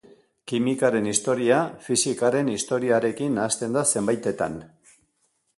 Kimikaren historia fisikaren historiarekin nahasten da zenbaitetan.